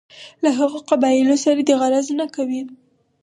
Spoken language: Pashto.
له هغو قبایلو سره دې غرض نه کوي.